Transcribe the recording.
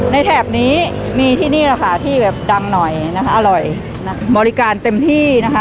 ในนี้มีที่นี้แบบดังหน่อยอร่อยบริการเต็มที่